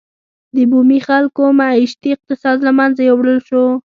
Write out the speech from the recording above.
د بومي خلکو معیشتي اقتصاد له منځه یووړل شو.